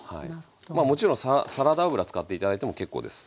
もちろんサラダ油使って頂いても結構です。